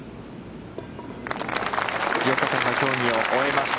４日間の競技を終えました。